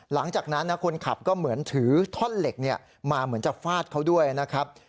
หลังจากนั้นคนขับก็เหมือนถือท่อนเหล็กมาเหมือนจะฟาดเขาด้วยนะครับ